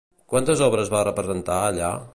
Quantes obres va representar allà?